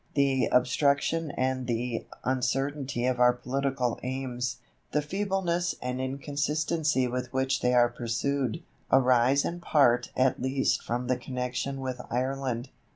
The obstruction and the uncertainty of our political aims, the feebleness and inconsistency with which they are pursued, arise in part at least from the connection with Ireland."